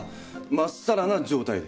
まっさらな状態です。